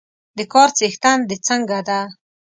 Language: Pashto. د کار څښتن د څنګه ده؟